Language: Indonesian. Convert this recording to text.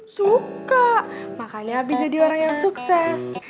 suka makanya bisa jadi orang yang sukses